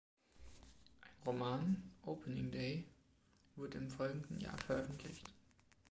Ein Roman „Opening Day“ wurd im folgenden Jahr veröffentlicht.